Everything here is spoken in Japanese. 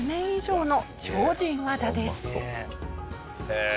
へえ。